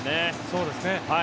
そうですね。